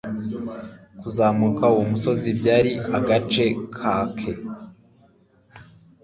Kuzamuka uwo musozi byari agace kake.